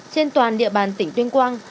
trên toàn địa bàn tỉnh tuyên quang